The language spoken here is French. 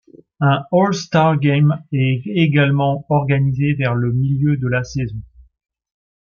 Un all-star game est également organisé vers le milieu de la saison.